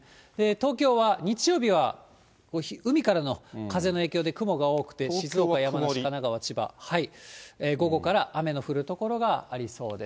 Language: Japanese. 東京は日曜日は、海からの風の影響で雲が多くて、静岡、山梨、神奈川、千葉、午後から雨の降る所がありそうです。